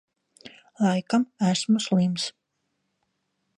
Laikam esmu slims.